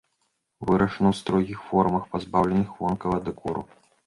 Вырашаны ў строгіх формах, пазбаўленых вонкавага дэкору.